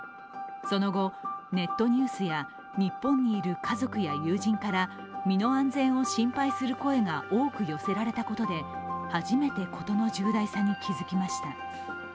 その後、ネットニュースや日本にいる家族や友人から身の安全を心配する声が多く寄せられたことで、初めて事の重大さに気づきました。